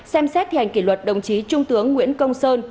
ba xem xét thi hành kỷ luật đồng chí trung tướng nguyễn công sơn